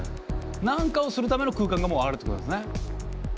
何かをするための空間がもうあるってことですね。